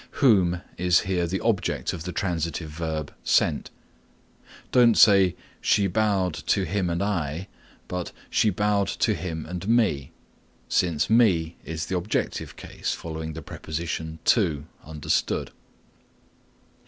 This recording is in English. Whom is here the object of the transitive verb sent. Don't say "She bowed to him and I" but "She bowed to him and me" since me is the objective case following the preposition to understood.